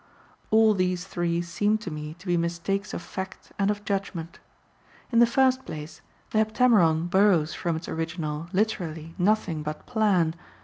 All these three seem to me to be mistakes of fact and of judgment. In the first place, the Heptameron borrows from its original literally nothing but plan.